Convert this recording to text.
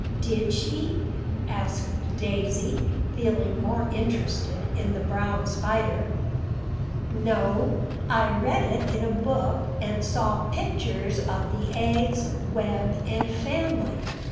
Did she?" asked Daisy, feeling more interested in the brown spider. "No; I read it in a book, and saw pictures of the eggs, web, and family.